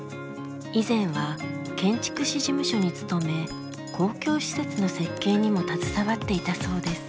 以前は建築士事務所に勤め公共施設の設計にも携わっていたそうです。